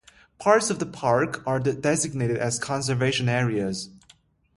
Parts of the park are designated as conservation areas.